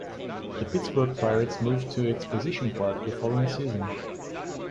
The Pittsburg Pirates moved to Exposition Park the following season.